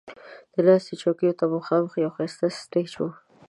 د ناستې چوکیو ته مخامخ یو ښایسته سټیج و.